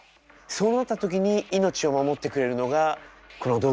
そう思った時に命を守ってくれるのがこの道具たちです。